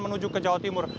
untuk ke jawa timur